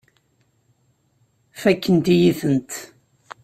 Fakkent-iyi-tent.